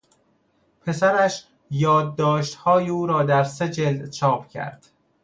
پسرش یادداشتهای او را در سه جلد چاپ کرد.